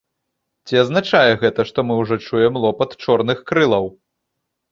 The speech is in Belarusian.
Ці азначае гэта, што мы ўжо чуем лопат чорных крылаў?